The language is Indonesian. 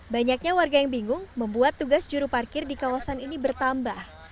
banyaknya warga yang bingung membuat tugas juru parkir di kawasan ini bertambah